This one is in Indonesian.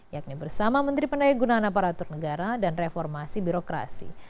yakni bersama menteri pendaya gunaan aparatur negara dan reformasi birokrasi